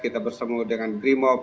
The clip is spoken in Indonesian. kita bertemu dengan grimob